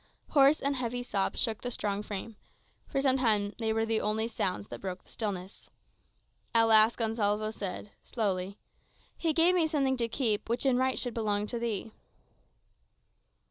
Hoarse and heavy sobs shook the strong frame. For some time they were the only sounds that broke the stillness. At length Gonsalvo said, slowly, "He gave me something to keep, which in right should belong to thee."